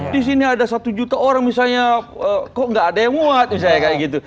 di sini ada satu juta orang misalnya kok gak ada yang muat